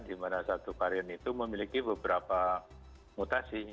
di mana satu varian itu memiliki beberapa mutasi